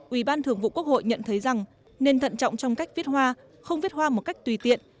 ủy ban thường vụ quốc hội nhận thấy rằng nên thận trọng trong cách viết hoa không viết hoa một cách tùy tiện